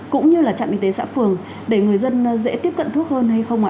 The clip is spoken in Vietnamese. cũng như là trạm y tế xã phường để người dân dễ tiếp cận thuốc hơn hay không ạ